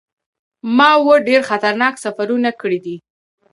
ما اووه ډیر خطرناک سفرونه کړي دي.